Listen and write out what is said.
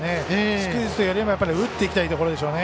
スクイズというよりも打っていきたいところでしょうね。